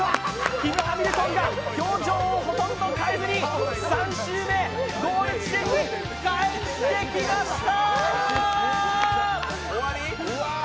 キム・ハミルトンが表情をほとんど変えずに３周目、ゴール地点に帰ってきました！